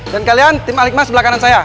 dan kalian tim alikma sebelah kanan saya